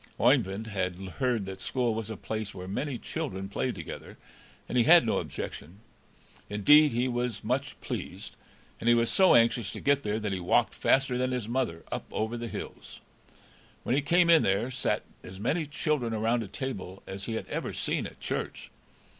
Oeyvind had heard that school was a place where many children played together, and he had no objection. Indeed, he was much pleased, and he was so anxious to get there that he walked faster than his mother up over the hills. When he came in there sat as many children around a table as he had ever seen at church.